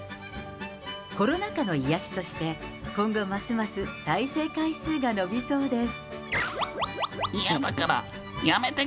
コロナ下の癒やしとして、今後ますます再生回数が伸びそうです。